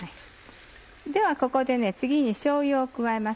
ではここで次にしょうゆを加えます。